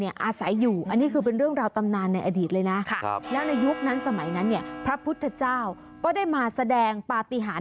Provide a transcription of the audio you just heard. อาศัยอยู่อันนี้คือเป็นเรื่องราวตำนานในอดีตเลยนะแล้วในยุคนั้นสมัยนั้นพระพุทธเจ้าก็ได้มาแสดงปฏิหาร